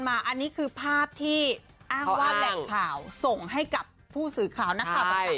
อันนี้คือภาพที่อ้างว่าแหล่งข่าวส่งให้กับผู้สื่อข่าวนักข่าวต่าง